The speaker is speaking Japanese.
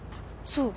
そう。